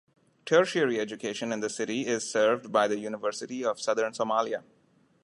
Tertiary education in the city is served by the University of Southern Somalia.